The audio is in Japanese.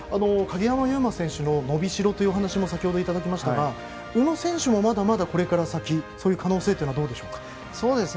鍵山優真選手の伸びしろというお話も先ほど、いただきましたが宇野選手も、まだまだこれから先、そういう可能性はどうでしょうか？